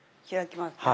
開きます。